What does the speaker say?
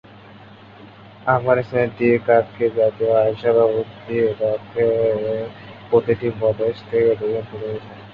আফগানিস্তানের দ্বি-কাক্ষিক জাতীয় আইনসভার ঊর্ধ্ব কক্ষে প্রতিটি প্রদেশ থেকে দুইজন প্রতিনিধি থাকেন।